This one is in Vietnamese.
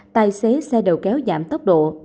tài xế xe đèo kéo giảm tốc độ